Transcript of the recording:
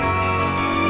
aku mau ke rumah